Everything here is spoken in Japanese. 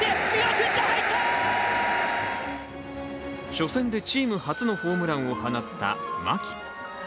初戦でチーム初のホームランを放った牧。